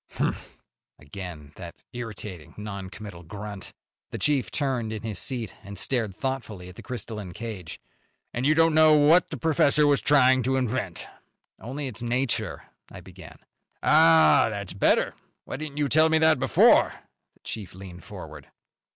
"Humph!" Again that irritating, non committal grunt. The chief turned in his seat and stared thoughtfully at the crystalline cage. "And you don't know what the professor was trying to invent?" "Only its nature," I began. "Ah! That's better. Why didn't you tell me that before?" The chief leaned forward.